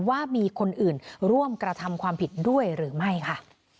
ว่ามีคนอื่นร่วมกระทำความผิดด้วยหรือไม่ค่ะ